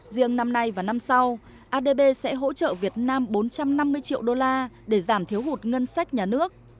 riêng năm nay và năm sau adb sẽ hỗ trợ việt nam bốn trăm năm mươi triệu đô la để giảm thiếu hụt ngân sách nhà nước